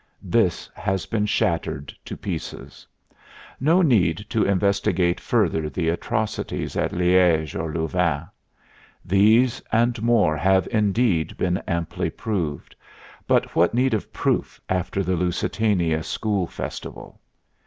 This has been shattered to pieces. No need to investigate further the atrocities at Liège or Louvain. These and more have indeed been amply proved, but what need of proof after the Lusitania school festival?